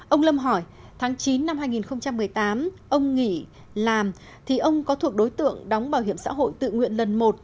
ông lâm hỏi tháng chín năm hai nghìn một mươi tám ông nghỉ làm thì ông có thuộc đối tượng đóng bảo hiểm xã hội tự nguyện lần một